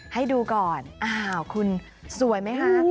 ให้ดูก่อนคุณสวยไหมฮะ